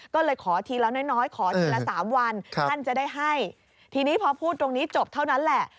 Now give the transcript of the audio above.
ก็เลยขอทีละน้อยน้อยขอทีละสามวันท่านจะได้ให้ทีนี้พอพูดตรงนี้จบเท่านั้นแหละ